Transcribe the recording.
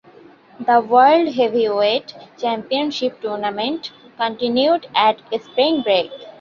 The World Heavyweight Championship tournament continued at Spring Break.